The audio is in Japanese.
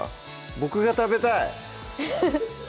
僕が食べたい！